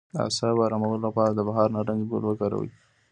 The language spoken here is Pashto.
د اعصابو ارامولو لپاره د بهار نارنج ګل وکاروئ